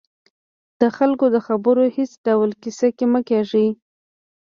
د خلکو د خبرو هېڅ ډول کیسه کې مه کېږئ